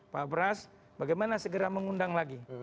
pak bras bagaimana segera mengundang lagi